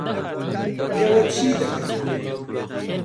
ئێوە چی دەکەن؟